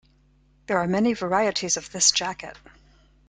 There are many varieties of this jacket.